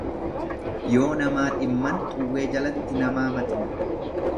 Yoo namaa dhimman xuwwee jalatti namaa maxinu.